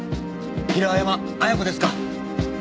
平山亜矢子ですか？